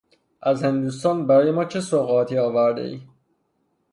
از هندوستان برای ما چه سوغاتی آورده ای؟